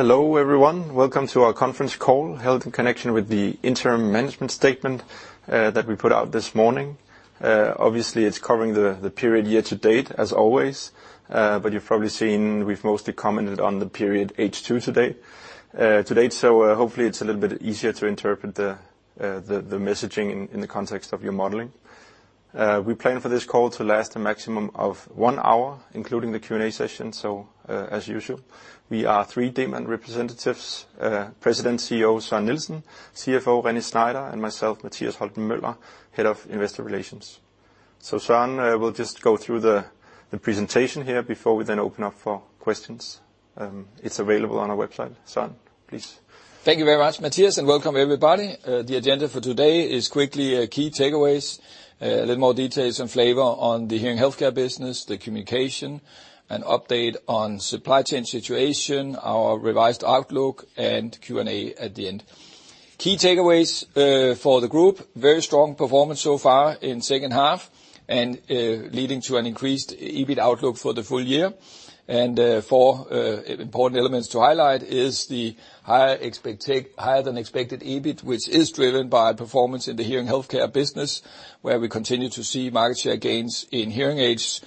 Hello, everyone. Welcome to our conference call, held in connection with the interim management statement that we put out this morning. Obviously, it's covering the period year to date as always, but you've probably seen we've mostly commented on the period H2 to date. Hopefully it's a little bit easier to interpret the messaging in the context of your modeling. We plan for this call to last a maximum of one hour, including the Q&A session, as usual. We are three Demant representatives, President & CEO Søren Nielsen, CFO René Schneider, and myself, Matias Holten Møller, head of investor relations. Søren will just go through the presentation here before we then open up for questions. It's available on our website. Søren, please. Thank you very much, Matias, and welcome everybody. The agenda for today is quickly key takeaways. A little more details and flavor on the hearing healthcare business, the communication, an update on supply chain situation, our revised outlook, and Q&A at the end. Key takeaways for the group, very strong performance so far in second half, leading to an increased EBIT outlook for the full year. Four important elements to highlight is the higher than expected EBIT, which is driven by performance in the hearing healthcare business, where we continue to see market share gains in hearing aids,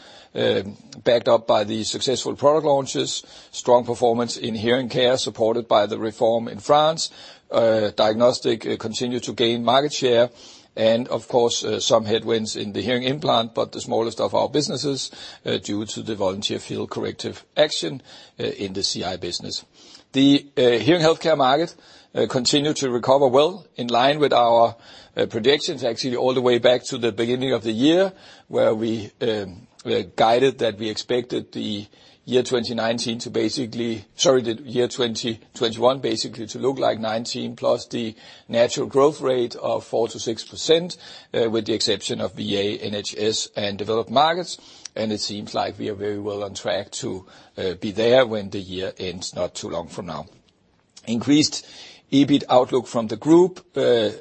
backed up by the successful product launches, strong performance in hearing care, supported by the reform in France. Diagnostics continues to gain market share and of course, some headwinds in the hearing implant, but the smallest of our businesses, due to the voluntary field corrective action in the CI business. The hearing healthcare market continued to recover well, in line with our predictions, actually all the way back to the beginning of the year, where we had guided that we expected the year 2021 basically to look like 2019, plus the natural growth rate of 4%-6%, with the exception of VA, NHS, and developed markets. It seems like we are very well on track to be there when the year ends not too long from now. Increased EBIT outlook from the group to now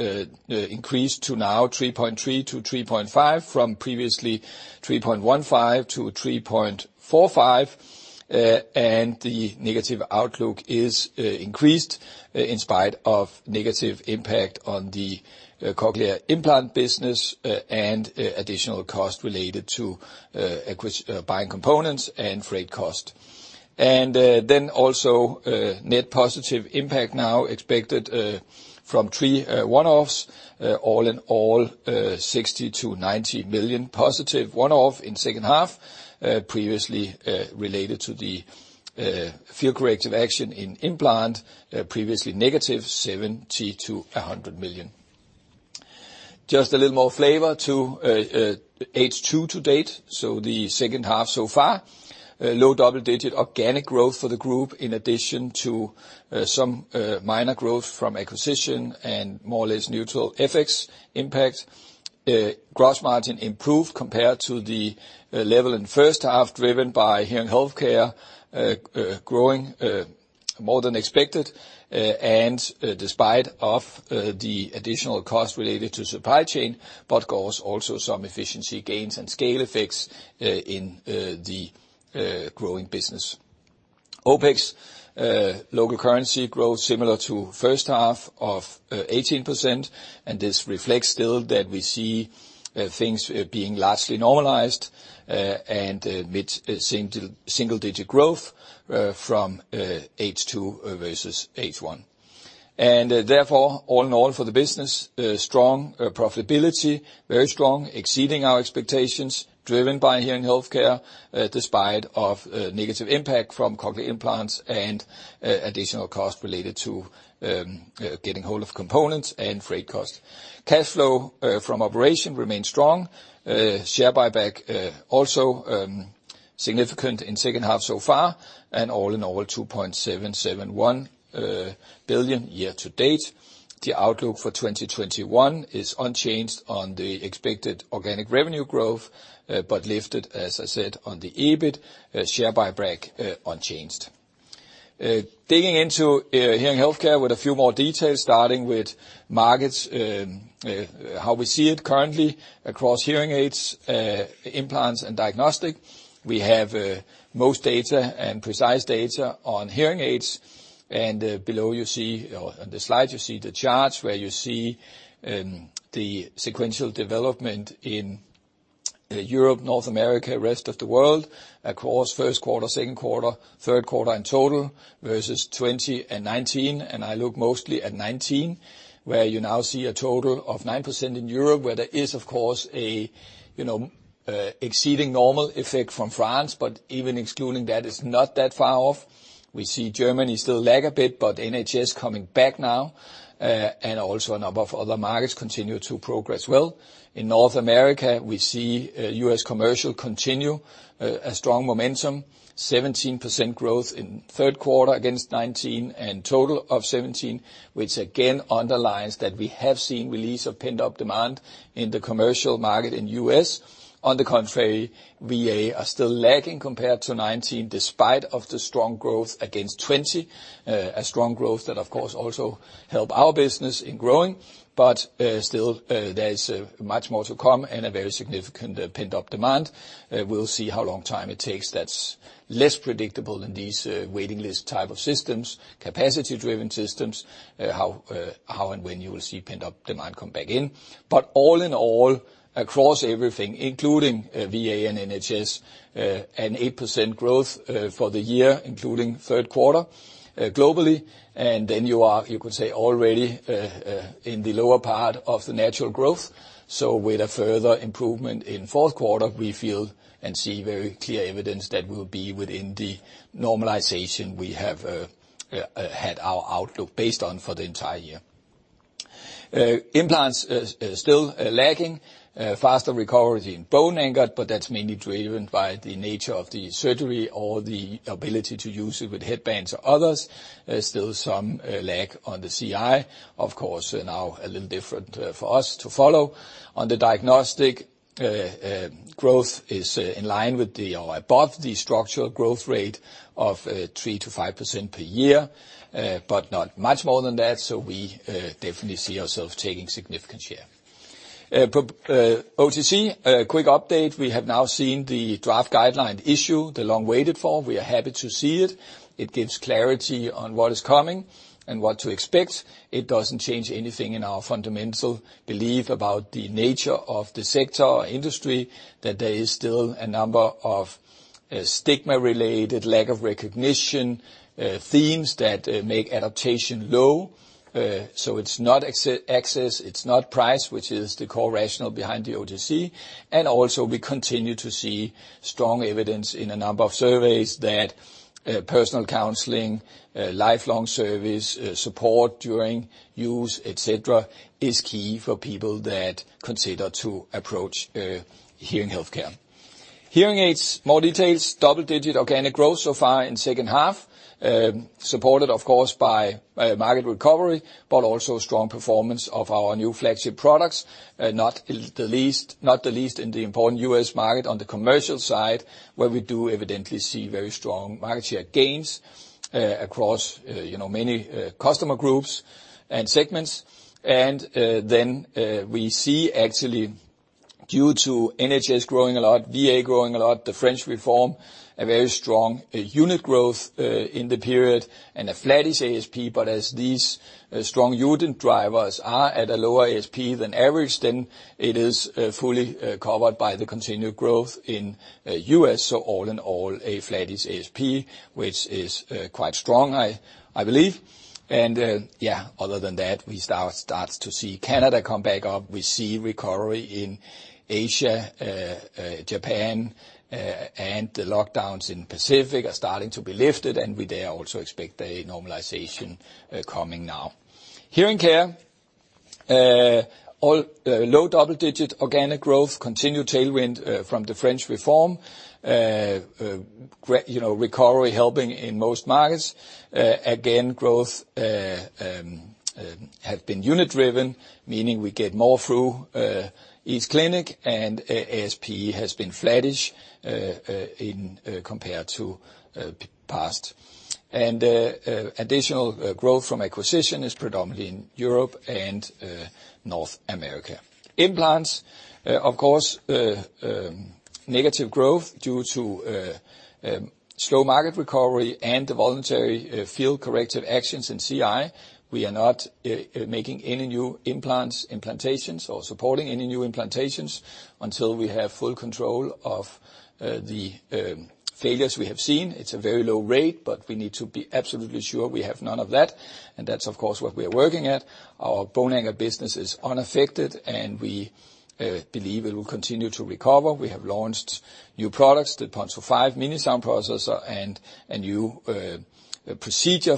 3.3%-3.5%, from previously 3.15%-3.45%. The outlook is increased in spite of negative impact on the cochlear implant business and additional cost related to buying components and freight cost. Net positive impact now expected from three one-offs. All in all, 60 million-90 million positive one-off in second half, previously related to the field corrective action in implant, previously -70 million to -100 million. Just a little more flavor to H2 to date, so the second half so far. Low double-digit organic growth for the group, in addition to some minor growth from acquisition and more or less neutral FX impact. Gross margin improved compared to the level in first half, driven by hearing healthcare growing more than expected and despite of the additional cost related to supply chain, but also some efficiency gains and scale effects in the growing business. OpEx local currency growth similar to first half of 18%, and this reflects still that we see things being largely normalized and mid single-digit growth from H2 versus H1. Therefore, all in all for the business, strong profitability, very strong, exceeding our expectations, driven by hearing healthcare, despite of negative impact from cochlear implants and additional cost related to getting hold of components and freight costs. Cash flow from operation remains strong. Share buyback also significant in second half so far, and all in all, 2.771 billion year to date. The outlook for 2021 is unchanged on the expected organic revenue growth, but lifted, as I said, on the EBIT, share buyback unchanged. Digging into hearing healthcare with a few more details, starting with markets, how we see it currently across hearing aids, implants and diagnostic. We have most data and precise data on hearing aids, and below you see, or on the slide you see the charts where you see the sequential development in Europe, North America, rest of the world, across first quarter, second quarter, third quarter in total, versus 2020 and 2019. I look mostly at 2019, where you now see a total of 9% in Europe, where there is, of course, a you know exceeding normal effect from France, but even excluding that, it's not that far off. We see Germany still lag a bit, but NHS coming back now, and also a number of other markets continue to progress well. In North America, we see U.S. commercial continue a strong momentum, 17% growth in third quarter against 2019, and total of 17, which again underlines that we have seen release of pent-up demand in the commercial market in U.S. On the contrary, VA are still lagging compared to 2019, despite the strong growth against 2020. A strong growth that of course also help our business in growing, but still there is much more to come and a very significant pent-up demand. We'll see how long time it takes. That's less predictable than these waiting list type of systems, capacity-driven systems, how and when you will see pent-up demand come back in. All in all, across everything, including VA and NHS, 8% growth for the year, including third quarter globally, and then you could say already in the lower part of the natural growth. With a further improvement in fourth quarter, we feel and see very clear evidence that we'll be within the normalization we have had our outlook based on for the entire year. Implants is still lagging. Faster recovery in bone anchored, but that's mainly driven by the nature of the surgery or the ability to use it with headbands or others. There's still some lag on the CI. Of course, now a little different for us to follow. On the diagnostic, growth is in line with, or above the structural growth rate of 3%-5% per year, but not much more than that. We definitely see ourselves taking significant share. OTC, a quick update. We have now seen the draft guideline issued, the long-awaited one. We are happy to see it. It gives clarity on what is coming and what to expect. It doesn't change anything in our fundamental belief about the nature of the sector or industry, that there is still a number of stigma-related, lack of recognition, themes that make adoption low. It's not access, it's not price, which is the core rationale behind the OTC. Also, we continue to see strong evidence in a number of surveys that personal counseling, lifelong service, support during use, et cetera, is key for people that consider to approach hearing healthcare. Hearing aids, more details. Double-digit organic growth so far in second half, supported of course by market recovery, but also strong performance of our new flagship products, not the least in the important U.S. market on the commercial side, where we do evidently see very strong market share gains across, you know, many customer groups and segments. Then we see actually, due to NHS growing a lot, VA growing a lot, 100% Santé, a very strong unit growth in the period and a flattish ASP. As these strong unit drivers are at a lower ASP than average, then it is fully covered by the continued growth in U.S. All in all, a flattish ASP, which is quite strong, I believe. Other than that, we now start to see Canada come back up. We see recovery in Asia, Japan, and the lockdowns in Pacific are starting to be lifted, and we there also expect a normalization coming now. Hearing Care all low double-digit organic growth, continued tailwind from the French Reform, you know, recovery helping in most markets. Growth have been unit-driven, meaning we get more through each clinic, and ASP has been flattish in compared to past. Additional growth from acquisition is predominantly in Europe and North America. Implants, of course, negative growth due to slow market recovery and the voluntary field corrective actions in CI. We are not making any new implants, implantations, or supporting any new implantations until we have full control of the failures we have seen. It's a very low rate, but we need to be absolutely sure we have none of that, and that's, of course, what we are working at. Our bone anchor business is unaffected, and we believe it will continue to recover. We have launched new products, the Ponto 5 Mini sound processor, and a new procedure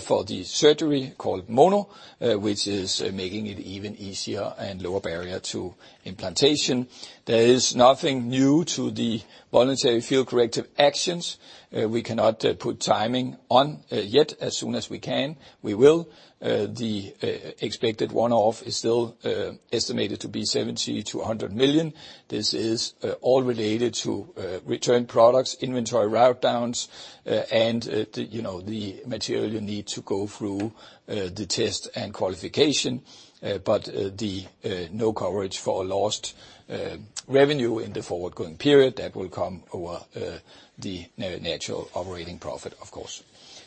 for the surgery called Mono, which is making it even easier and lower barrier to implantation. There is nothing new to the voluntary field corrective actions. We cannot put timing on it yet, as soon as we can. We will. The expected one-off is still estimated to be 70 million-100 million. This is all related to return products, inventory write-downs, and you know, the material you need to go through the test and qualification. There's no coverage for lost revenue in the forward-looking period that will come over the natural operating profit, of course.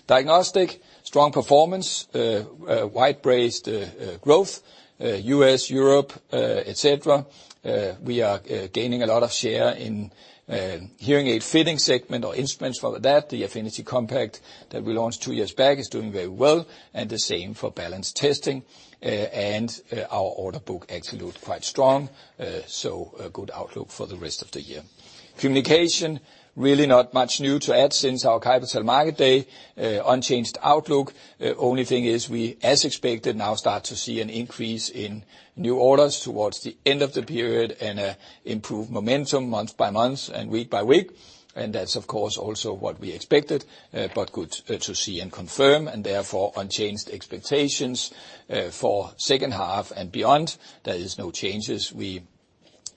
Diagnostics, strong performance, broad-based growth, U.S., Europe, etc. We are gaining a lot of share in hearing aid fitting segment or instruments for that. The Affinity Compact that we launched two years back is doing very well, and the same for balance testing. Our order book actually looks quite strong, so a good outlook for the rest of the year. Communication, really not much new to add since our capital market day. Unchanged outlook. Only thing is we, as expected, now start to see an increase in new orders towards the end of the period and improved momentum month by month and week by week. That's, of course, also what we expected, but good to see and confirm, and therefore, unchanged expectations, for second half and beyond. There is no change. We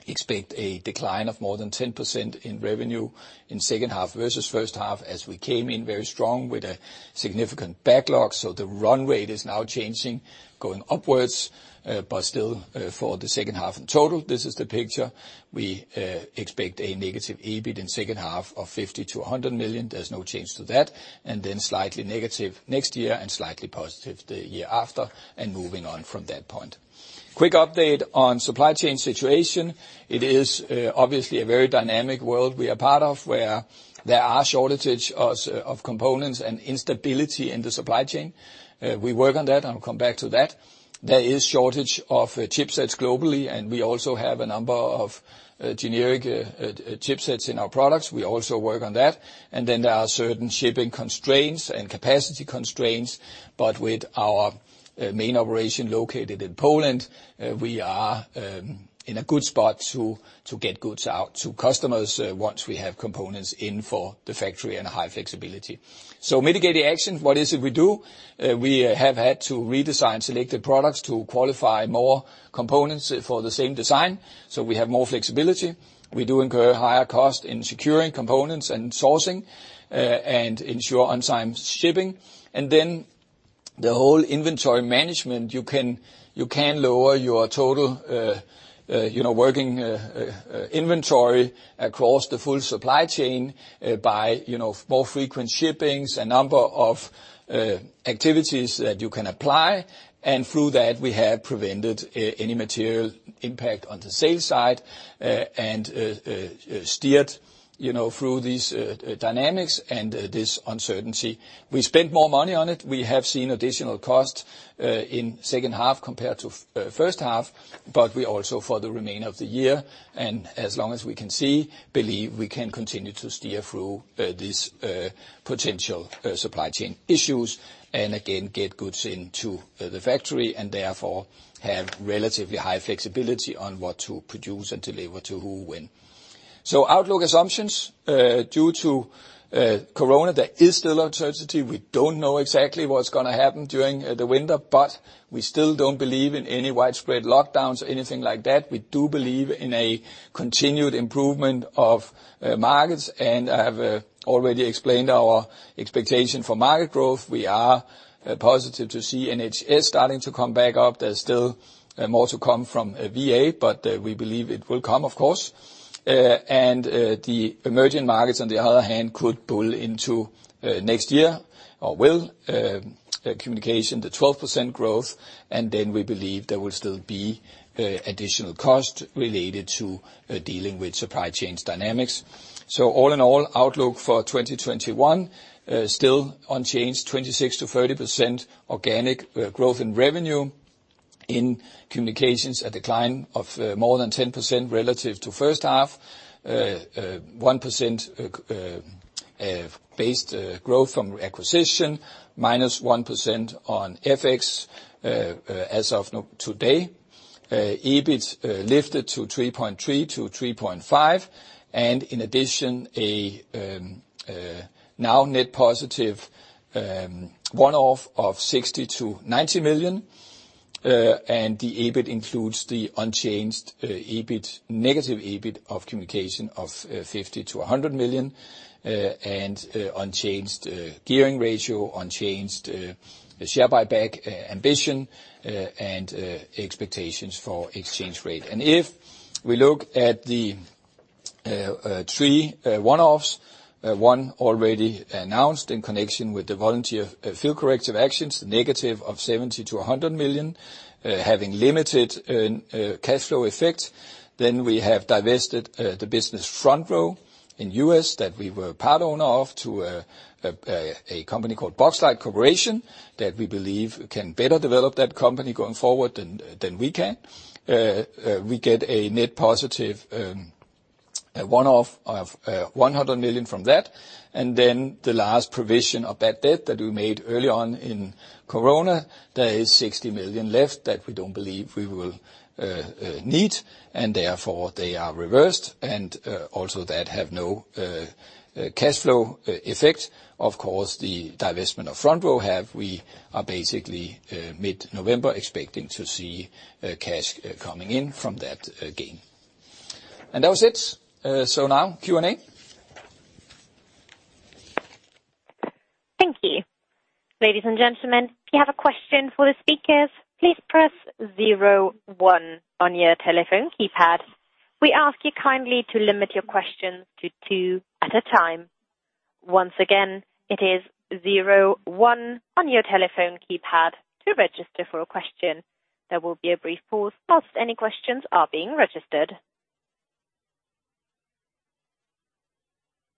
expect a decline of more than 10% in revenue in second half versus first half as we came in very strong with a significant backlog. The run rate is now changing, going upwards, but still, for the second half in total, this is the picture. We expect a negative EBIT in second half of 50 million-100 million. There's no change to that. Then slightly negative next year and slightly positive the year after and moving on from that point. Quick update on supply chain situation. It is obviously a very dynamic world we are part of, where there are shortage of components and instability in the supply chain. We work on that, and we'll come back to that. There is shortage of chipsets globally, and we also have a number of generic chipsets in our products. We also work on that. Then there are certain shipping constraints and capacity constraints. With our main operation located in Poland, we are in a good spot to get goods out to customers once we have components in for the factory and high flexibility. Mitigating actions, what is it we do? We have had to redesign selected products to qualify more components for the same design, so we have more flexibility. We do incur higher cost in securing components and sourcing, and ensure on-time shipping. The whole inventory management, you can lower your total, you know, working inventory across the full supply chain by, you know, more frequent shippings, a number of activities that you can apply. Through that, we have prevented any material impact on the sales side, and steered you know through these dynamics and this uncertainty. We spent more money on it. We have seen additional costs in second half compared to first half, but we also for the remainder of the year, and as long as we can see, believe we can continue to steer through these potential supply chain issues and again, get goods into the factory and therefore have relatively high flexibility on what to produce and deliver to who when. Outlook assumptions due to corona, there is still uncertainty. We don't know exactly what's gonna happen during the winter, but we still don't believe in any widespread lockdowns or anything like that. We do believe in a continued improvement of markets. I have already explained our expectation for market growth. We are positive to see NHS starting to come back up. There's still more to come from VA, but we believe it will come, of course. The emerging markets, on the other hand, could spill into next year, or overall, Communications, the 12% growth. We believe there will still be additional costs related to dealing with supply chain dynamics. All in all, outlook for 2021 still unchanged, 26%-30% organic growth in revenue. In Communications, a decline of more than 10% relative to first half. 1% growth from acquisition, minus 1% on FX as of today. EBIT lifted to 3.3%-3.5%. In addition, now net positive one-off of 60 million-90 million. The EBIT includes the unchanged EBIT, negative EBIT of Communication of 50 million-100 million, and unchanged gearing ratio, unchanged share buyback ambition, and expectations for exchange rate. If we look at the three one-offs, one already announced in connection with the voluntary field corrective action, negative of 70 million-100 million, having limited cash flow effect. We have divested the business FrontRow in U.S. that we were part owner of to a company called Boxlight Corporation that we believe can better develop that company going forward than we can. We get a net positive one-off of 100 million from that. The last provision of bad debt that we made early on in corona, there is 60 million left that we don't believe we will need, and therefore they are reversed. Also that have no cash flow effect. Of course, the divestment of FrontRow have, we are basically mid-November expecting to see cash coming in from that gain. That was it. Now Q&A. Thank you. Ladies and gentlemen, if you have a question for the speakers, please press zero one on your telephone keypad. We ask you kindly to limit your questions to two at a time. Once again, it is zero one on your telephone keypad to register for a question. There will be a brief pause while any questions are being registered.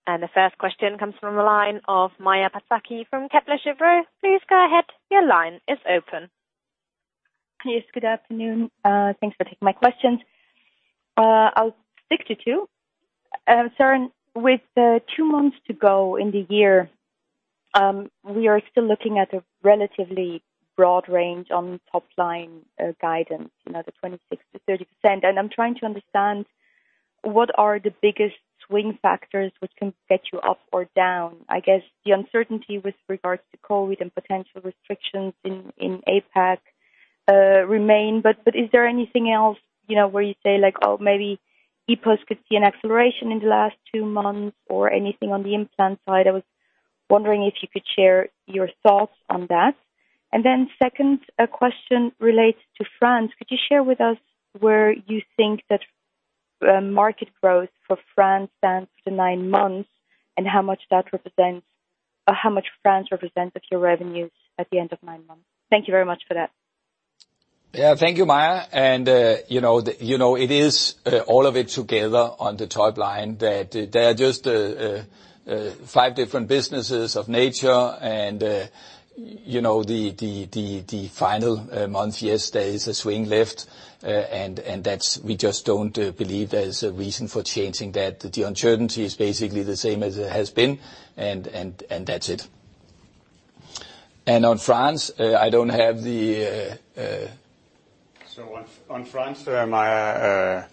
The first question comes from the line of Maja Pataki from Kepler Cheuvreux. Please go ahead. Your line is open. Yes, good afternoon. Thanks for taking my questions. I'll stick to two. Søren, with two months to go in the year, we are still looking at a relatively broad range on top-line guidance, you know, the 26%-30%. I'm trying to understand what are the biggest swing factors which can get you up or down? I guess the uncertainty with regards to COVID and potential restrictions in APAC remain. Is there anything else, you know, where you say, like, "Oh, maybe EPOS could see an acceleration in the last two months or anything on the implant side?" I was wondering if you could share your thoughts on that. Second, a question relates to France. Could you share with us where you think that market growth for France stands for the nine months, and how much that represents, or how much France represents of your revenues at the end of nine months? Thank you very much for that. Yeah. Thank you, Maja. You know, it is all of it together on the top line that there are just five different businesses of nature and, you know, the final month. Yes, there is a swing left. That's. We just don't believe there's a reason for changing that. The uncertainty is basically the same as it has been, and that's it. On France, I don't have the... On France, Maja,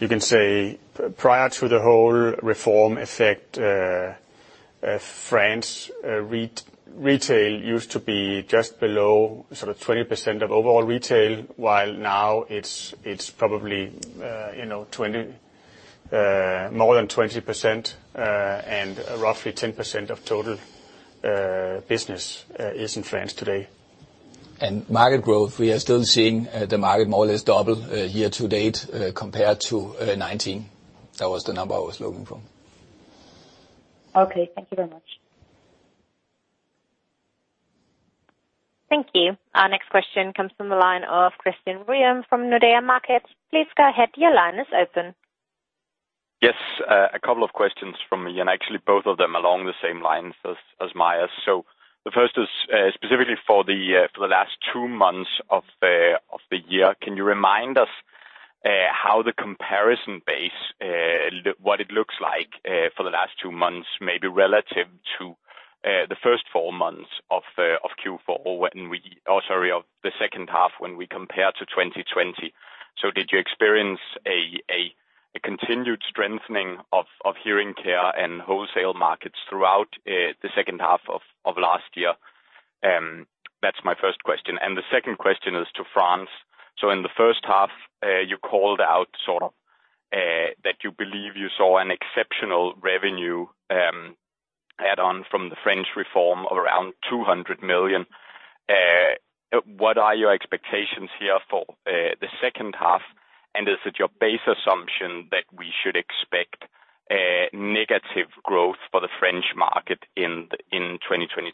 you can say prior to the whole reform effect, France retail used to be just below sort of 20% of overall retail, while now it's probably, you know, more than 20%, and roughly 10% of total business is in France today. Market growth, we are still seeing the market more or less double year to date, compared to 2019. That was the number I was looking for. Okay, thank you very much. Thank you. Our next question comes from the line of Christian Ryom from Nordea Markets. Please go ahead. Your line is open. Yes. A couple of questions from me, and actually both of them along the same lines as Maja. The first is, specifically for the last two months of the year, can you remind us how the comparison base, what it looks like, for the last two months, maybe relative to the first four months of Q4, or of the second half when we compare to 2020. Did you experience a continued strengthening of hearing care and wholesale markets throughout the second half of last year? That's my first question. And the second question is to France. In the first half, you called out sort of that you believe you saw an exceptional revenue add on from the French reform of around 200 million. What are your expectations here for the second half? And is it your base assumption that we should expect a negative growth for the French market in 2022?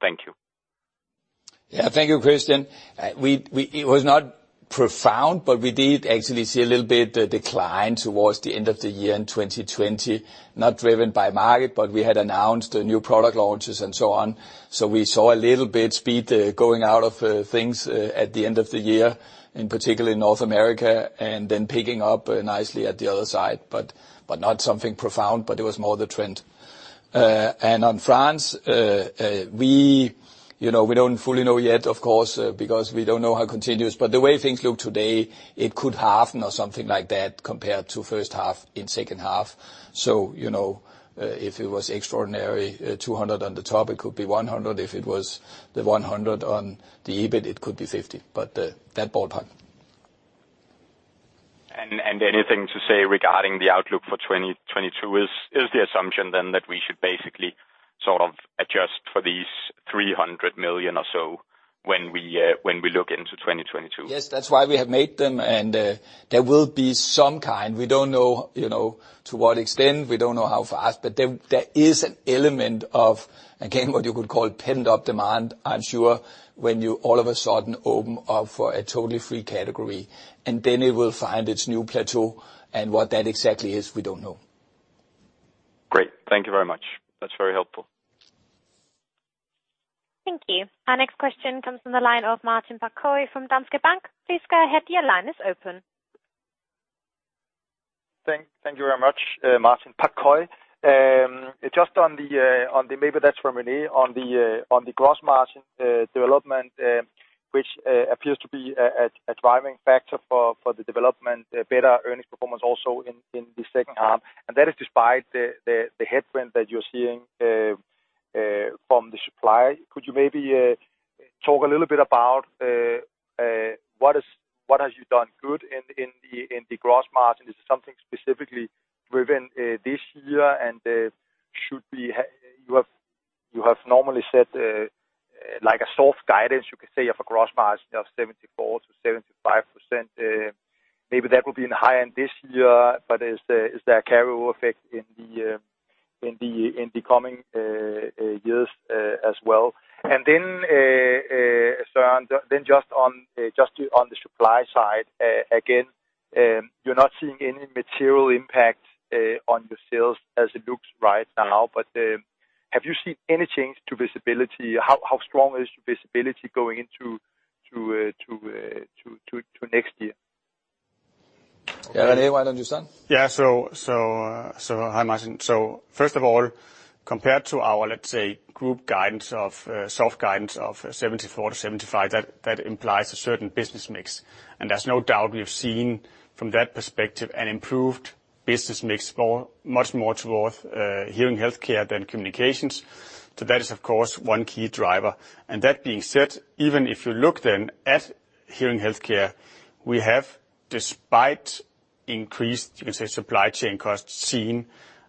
Thank you. Yeah. Thank you, Christian. It was not profound, but we did actually see a little bit decline towards the end of the year in 2020. Not driven by market, but we had announced new product launches and so on. We saw a little bit speed going out of things at the end of the year, in particular in North America, and then picking up nicely at the other side, but not something profound, but it was more the trend. On France, we you know we don't fully know yet, of course, because we don't know how it continues. The way things look today, it could half or something like that compared to first half and second half. You know, if it was extraordinary, 200 million on the top, it could be 100 million. If it was the 100 on the EBIT, it could be 50. That ballpark. Anything to say regarding the outlook for 2022 is the assumption then that we should basically sort of adjust for these 300 million or so when we look into 2022? Yes. That's why we have made them. There will be some kind. We don't know, you know, to what extent, we don't know how fast. There is an element of, again, what you could call pent-up demand, I'm sure, when you all of a sudden open up for a totally free category. Then it will find its new plateau. What that exactly is, we don't know. Great. Thank you very much. That's very helpful. Thank you. Our next question comes from the line of Martin Parkhøi from Danske Bank. Please go ahead. Your line is open. Thank you very much, Martin Parkhøi. Just on the, maybe that's for René, on the gross margin development, which appears to be a driving factor for the development, a better earnings performance also in the second half, and that is despite the headwind that you're seeing from the supply. Could you maybe talk a little bit about what have you done good in the gross margin? Is it something specifically within this year and should be. You have normally set, like a soft guidance, you could say of a gross margin of 74%-75%. Maybe that will be in the high end this year. Is there a carry-over effect in the coming years as well? Søren, just on the supply side again, you're not seeing any material impact on your sales as it looks right now. Have you seen any change to visibility? How strong is your visibility going into next year? Yeah. René, why don't you start? Hi, Martin. First of all, compared to our, let's say, group guidance of soft guidance of 74%-75%, that implies a certain business mix. There's no doubt we've seen from that perspective an improved business mix much more towards hearing healthcare than communications. That is, of course, one key driver. That being said, even if you look then at hearing healthcare, we have, despite increased, you can say, supply chain costs, seen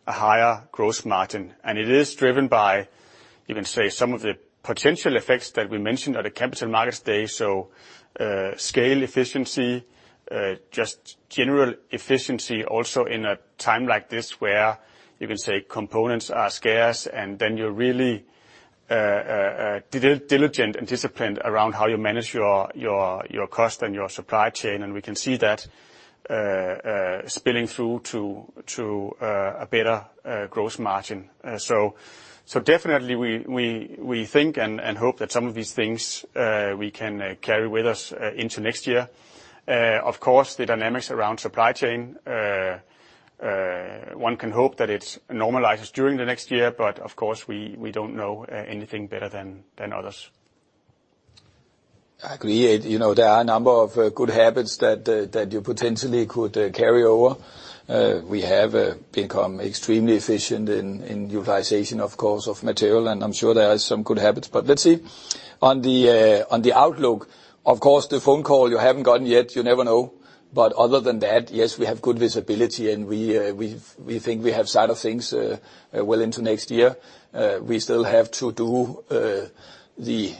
a higher gross margin. It is driven by, you can say, some of the potential effects that we mentioned at the Capital Markets Day. Scale efficiency, just general efficiency also in a time like this where, you can say, components are scarce and then you're really diligent and disciplined around how you manage your cost and your supply chain. We can see that spilling through to a better gross margin. Definitely we think and hope that some of these things we can carry with us into next year. Of course, the dynamics around supply chain, one can hope that it normalizes during the next year, but of course, we don't know anything better than others. I agree. You know, there are a number of good habits that you potentially could carry over. We have become extremely efficient in utilization, of course, of material, and I'm sure there are some good habits. Let's see. On the outlook, of course, the phone call you haven't gotten yet, you never know. Other than that, yes, we have good visibility, and we think we have sight of things well into next year. We still have to do the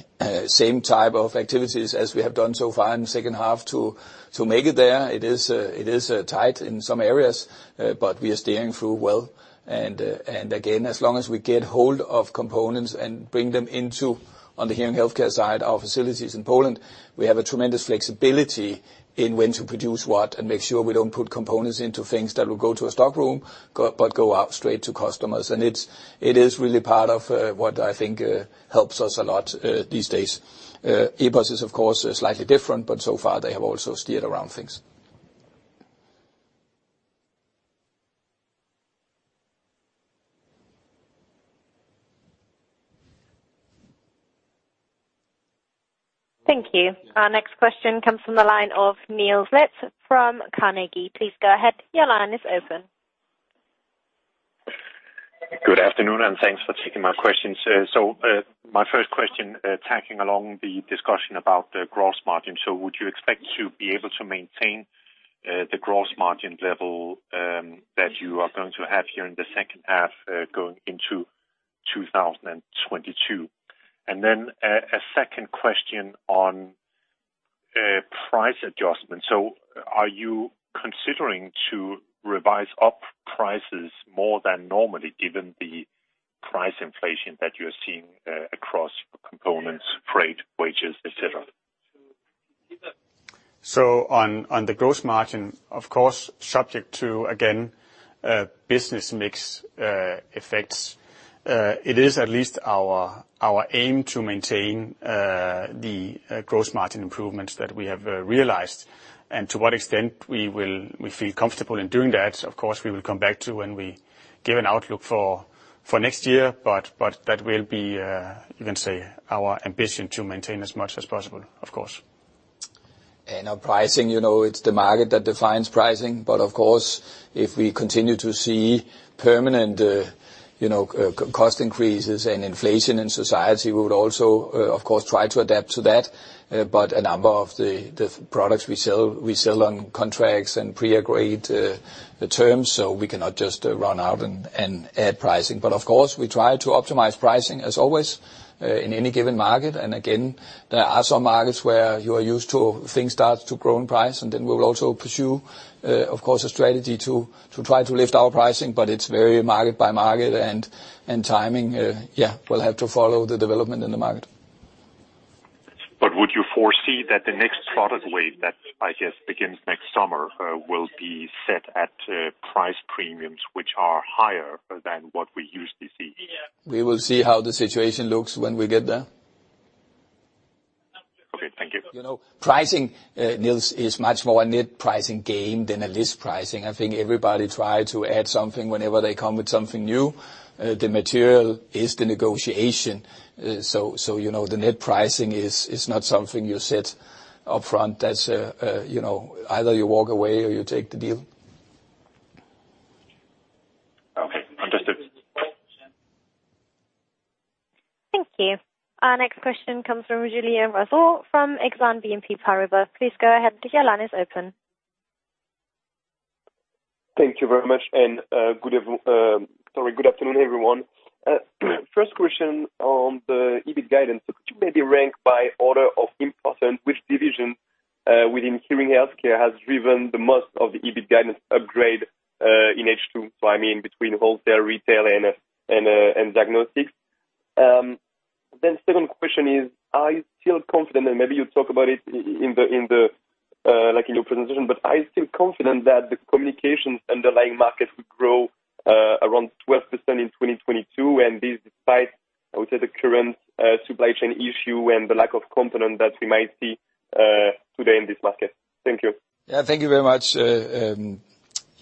same type of activities as we have done so far in the second half to make it there. It is tight in some areas, but we are steering through well. again, as long as we get hold of components and bring them into, on the hearing healthcare side, our facilities in Poland, we have a tremendous flexibility in when to produce what and make sure we don't put components into things that will go to a stockroom but go out straight to customers. It is really part of what I think helps us a lot these days. EPOS is of course slightly different, but so far they have also steered around things. Thank you. Our next question comes from the line of Niels Leth from Carnegie. Please go ahead. Your line is open. Good afternoon, and thanks for taking my questions. My first question, tacking along the discussion about the gross margin, would you expect to be able to maintain the gross margin level that you are going to have here in the second half, going into 2022? A second question on price adjustment, are you considering to revise up prices more than normally given the price inflation that you're seeing across components, freight, wages, et cetera? On the gross margin, of course, subject to, again, business mix effects, it is at least our aim to maintain the gross margin improvements that we have realized and to what extent we feel comfortable in doing that. Of course, we will come back to when we give an outlook for next year, but that will be, you can say, our ambition to maintain as much as possible, of course. Our pricing, you know, it's the market that defines pricing. Of course, if we continue to see permanent, you know, cost increases and inflation in society, we would also, of course, try to adapt to that. A number of the products we sell, we sell on contracts and pre-agreed terms, so we cannot just run out and add pricing. Of course, we try to optimize pricing as always in any given market. Again, there are some markets where you are used to things start to grow in price, and then we'll also pursue, of course, a strategy to try to lift our pricing, but it's very market by market and timing. Yeah, we'll have to follow the development in the market. Would you foresee that the next product wave that, I guess, begins next summer, will be set at price premiums which are higher than what we usually see? We will see how the situation looks when we get there. Okay. Thank you. You know, pricing, Niels, is much more a net pricing game than a list pricing. I think everybody try to add something whenever they come with something new. The material is the negotiation. So, you know, the net pricing is not something you set upfront. That's, you know, either you walk away or you take the deal. Okay. Understood. Thank you. Our next question comes from Julian Ouaddour from Exane BNP Paribas. Please go ahead. Your line is open. Thank you very much, good afternoon, everyone. First question on the EBIT guidance. Could you maybe rank by order of importance which division within hearing healthcare has driven the most of the EBIT guidance upgrade in H2? I mean between wholesale, retail, and diagnostics. Second question is, are you still confident, and maybe you talk about it like in your presentation, but are you still confident that the communications underlying market will grow around 12% in 2022, and this despite, I would say the current supply chain issue and the lack of component that we might see today in this market. Thank you. Yeah, thank you very much.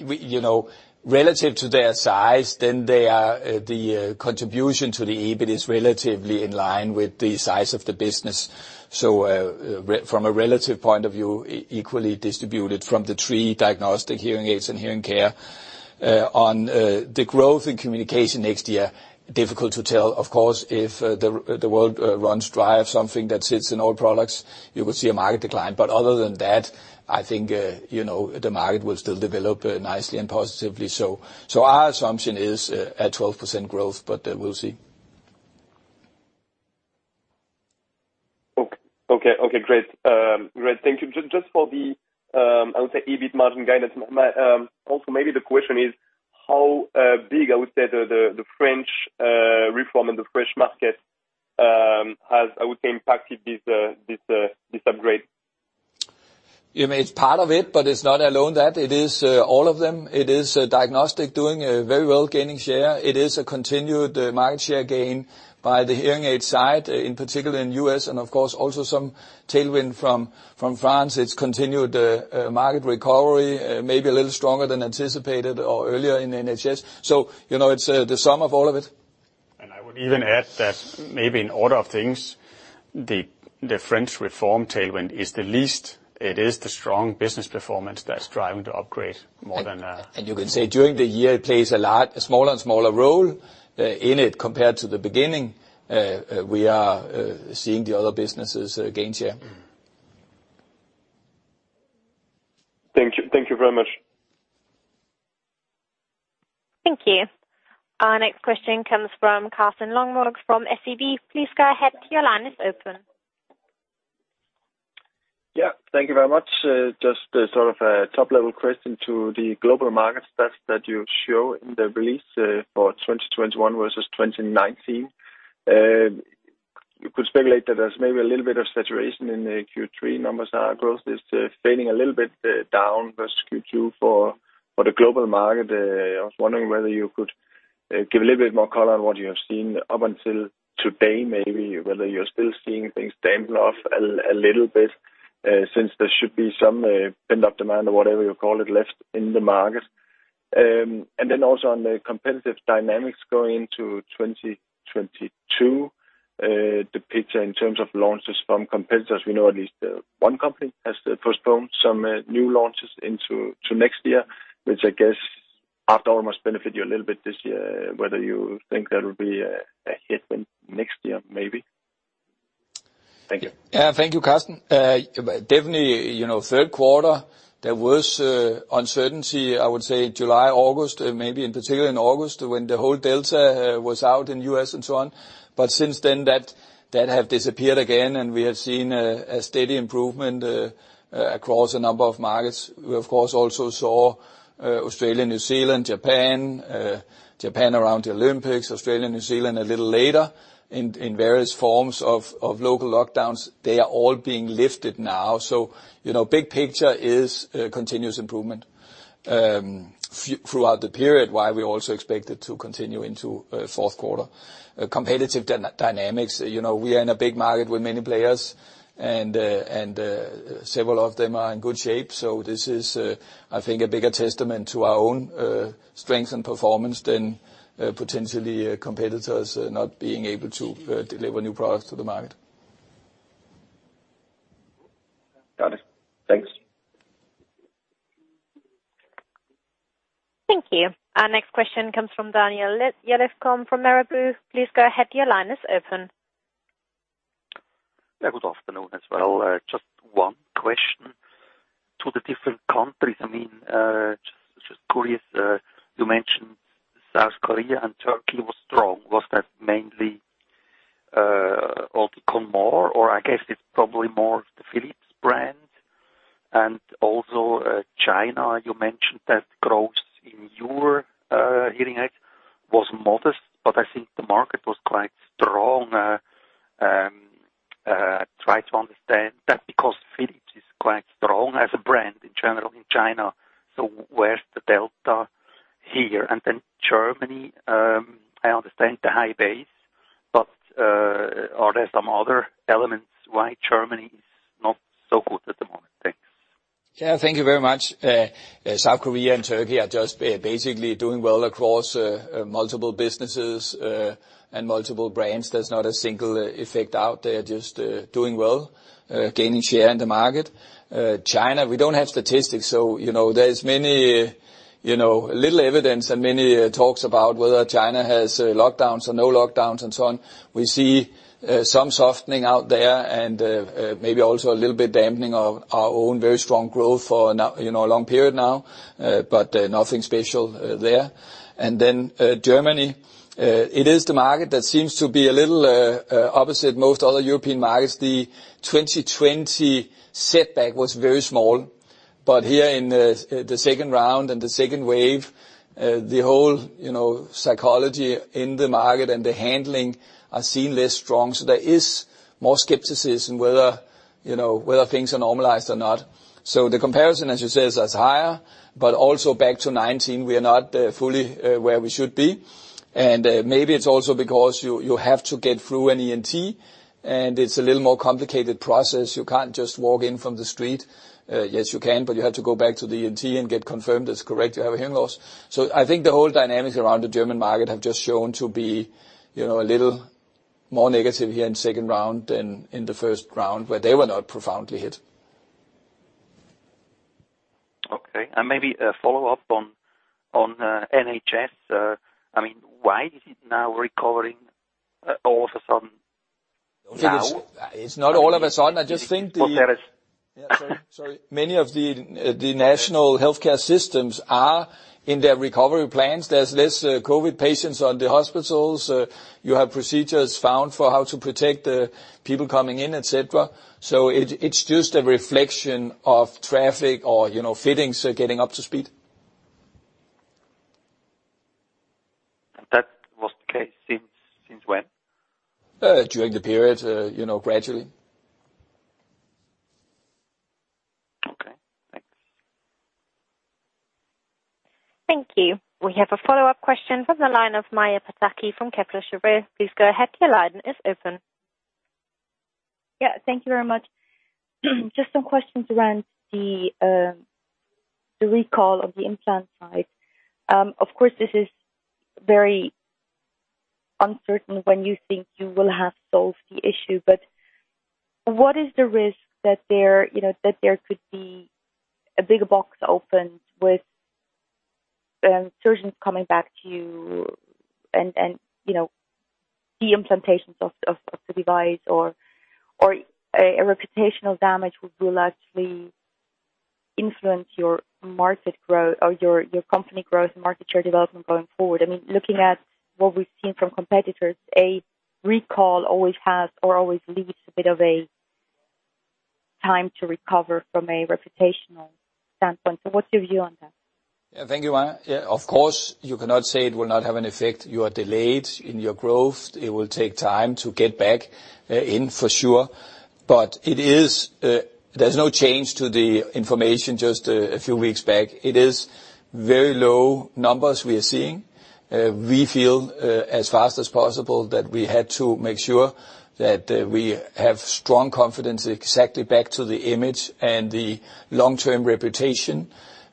We, you know, relative to their size, the contribution to the EBIT is relatively in line with the size of the business. From a relative point of view, equally distributed from the three diagnostic hearing aids and hearing care. On the growth in communication next year, it's difficult to tell. Of course, if the world runs dry of something that sits in all products, you will see a market decline. Other than that, I think, you know, the market will still develop nicely and positively. Our assumption is a 12% growth, but we'll see. Okay, great. Great, thank you. Just for the, I would say EBIT margin guidance, also maybe the question is how big, I would say, the French reform and the French market has, I would say, impacted this upgrade? Yeah, I mean, it's part of it, but it's not all on that. It is all of them. It is diagnostics doing very well, gaining share. It is a continued market share gain by the hearing aid side, in particular in U.S., and of course, also some tailwind from France. It's continued market recovery, maybe a little stronger than anticipated or earlier in NHS. You know, it's the sum of all of it. I would even add that maybe in order of things, the French reform tailwind is the least. It is the strong business performance that's driving the upgrade more than You can say during the year it plays a smaller and smaller role in it compared to the beginning. We are seeing the other businesses gain share. Thank you. Thank you very much. Thank you. Our next question comes from Carsten Lønborg Madsen from SEB. Please go ahead, your line is open. Yeah, thank you very much. Just sort of a top-level question to the global market stats that you show in the release for 2021 versus 2019. You could speculate that there's maybe a little bit of saturation in the Q3 numbers. Growth is fading a little bit down versus Q2 for the global market. I was wondering whether you could give a little bit more color on what you have seen up until today, maybe whether you're still seeing things dampen off a little bit, since there should be some pent-up demand or whatever you call it left in the market. Also on the competitive dynamics going into 2022, the picture in terms of launches from competitors, we know at least one company has postponed some new launches into next year, which I guess after all must benefit you a little bit this year, whether you think that'll be a headwind next year, maybe. Thank you. Yeah, thank you, Carsten. Definitely, you know, third quarter, there was uncertainty, I would say July, August, maybe in particular in August when the whole Delta was out in U.S. and so on. Since then, that has disappeared again, and we have seen a steady improvement across a number of markets. We of course also saw Australia, New Zealand, Japan around the Olympics, Australia, New Zealand a little later in various forms of local lockdowns. They are all being lifted now. You know, big picture is continuous improvement throughout the period, while we also expect it to continue into fourth quarter. Competitive dynamics, you know, we are in a big market with many players and several of them are in good shape. This is, I think, a bigger testament to our own strength and performance than potentially competitors not being able to deliver new products to the market. Got it. Thanks. Thank you. Our next question comes from Daniel Jelovcan from MainFirst. Please go ahead, your line is open. Yeah, good afternoon as well. Just one question to the different countries. I mean, just curious, you mentioned South Korea and Turkey was strong. Was that mainly Oticon more, or I guess it's probably more the Philips brand? And also, China, you mentioned that growth in your hearing aid was modest, but I think the market was quite strong. Try to understand that because Philips is quite strong as a brand in general in China. So where's the delta here? And then Germany, I understand the high base, but are there some other elements why Germany is not so good at the moment? Thanks. Yeah, thank you very much. South Korea and Turkey are just basically doing well across multiple businesses and multiple brands. There's not a single factor out. They are just doing well, gaining share in the market. China, we don't have statistics, so you know, there is little evidence and many talks about whether China has lockdowns or no lockdowns and so on. We see some softening out there and maybe also a little bit dampening of our own very strong growth for a long period now, you know, but nothing special there. Germany, it is the market that seems to be a little opposite most other European markets. The 2020 setback was very small, but here in the second round and the second wave, the whole, you know, psychology in the market and the handling are seen less strong. There is more skepticism whether things are normalized or not. The comparison, as you said, is higher, but also back to 2019, we are not fully where we should be. Maybe it's also because you have to get through an ENT, and it's a little more complicated process. You can't just walk in from the street. Yes, you can, but you have to go back to the ENT and get confirmed it's correct to have a hearing loss. I think the whole dynamic around the German market have just shown to be, you know, a little more negative here in second round than in the first round, where they were not profoundly hit. Okay. Maybe a follow-up on NHS. I mean, why is it now recovering all of a sudden? It's not all of a sudden. I just think. Sorry. Many of the national healthcare systems are in their recovery plans. There's less COVID patients in the hospitals. You have procedures in place for how to protect the people coming in, et cetera. It's just a reflection of traffic or, you know, fittings getting up to speed. That was the case since when? During the period, you know, gradually. Okay. Thanks. Thank you. We have a follow-up question from the line of Maja Pataki from Kepler Cheuvreux. Please go ahead. Your line is open. Yeah. Thank you very much. Just some questions around the recall of the implant site. Of course, this is very uncertain when you think you will have solved the issue, but what is the risk that there you know could be a Pandora's box opened with surgeons coming back to you and you know the implantations of the device or a reputational damage will actually influence your market growth or your company growth and market share development going forward. I mean, looking at what we've seen from competitors, a recall always has or always leaves a bit of a time to recover from a reputational standpoint. What's your view on that? Yeah. Thank you, Maja. Yeah, of course, you cannot say it will not have an effect. You are delayed in your growth. It will take time to get back, in for sure. It is, there's no change to the information just a few weeks back. It is very low numbers we are seeing. We feel, as fast as possible that we had to make sure that, we have strong confidence exactly back to the image and the long-term reputation.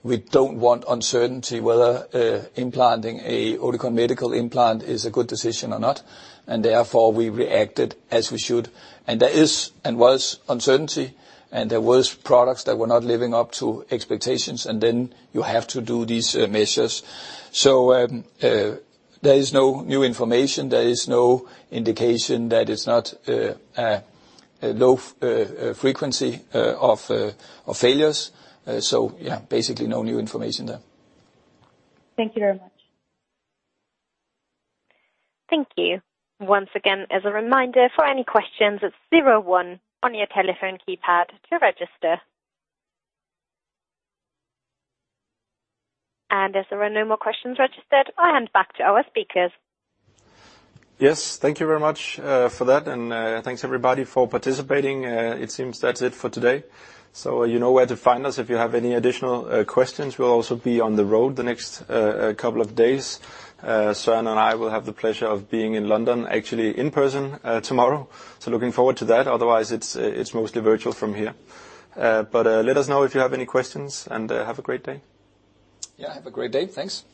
We don't want uncertainty whether, implanting a Oticon Medical implant is a good decision or not, and therefore we reacted as we should. There is and was uncertainty, and there was products that were not living up to expectations, and then you have to do these measures. There is no new information. There is no indication that it's not low frequency of failures. Yeah, basically no new information there. Thank you very much. Thank you. Once again, as a reminder, for any questions, it's zero one on your telephone keypad to register. As there are no more questions registered, I'll hand back to our speakers. Yes. Thank you very much for that, and thanks everybody for participating. It seems that's it for today. You know where to find us if you have any additional questions. We'll also be on the road the next couple of days. Søren and I will have the pleasure of being in London actually in person tomorrow. Looking forward to that. Otherwise, it's mostly virtual from here. Let us know if you have any questions, and have a great day. Yeah. Have a great day. Thanks.